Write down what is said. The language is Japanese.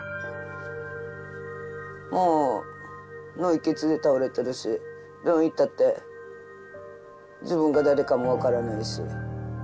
もう脳いっ血で倒れてるし病院行ったって自分が誰かも分からないし。